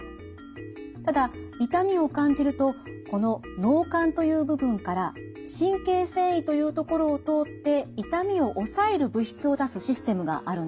ただ痛みを感じるとこの脳幹という部分から神経線維というところを通って痛みをおさえる物質を出すシステムがあるんです。